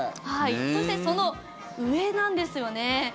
そして、その上なんですよね